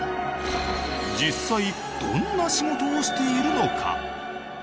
実際どんな仕事をしているのか？